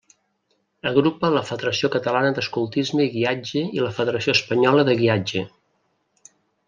Agrupa la Federació Catalana d'Escoltisme i Guiatge i la Federació Espanyola de Guiatge.